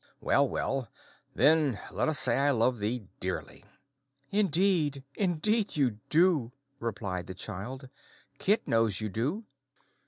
Well, well; then let us say I love thee dearly." "Indeed, indeed you do," replied the child. "Kit knows you do."